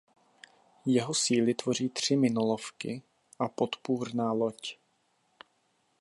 Jeho síly tvoří tři minolovky a podpůrná loď.